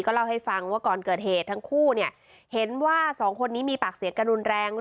เล่าให้ฟังว่าก่อนเกิดเหตุทั้งคู่เนี่ยเห็นว่าสองคนนี้มีปากเสียงกันรุนแรง